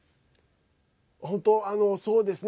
本当、そうですね。